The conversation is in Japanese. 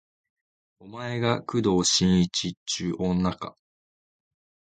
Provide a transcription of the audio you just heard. お前が工藤新一っちゅう女か